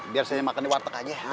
biar saya makan di warteg aja